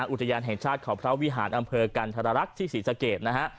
อุทยานแห่งชาติเขาพระวิหารอำเภอกันธรรักษ์ที่ศรีสะเกดนะฮะ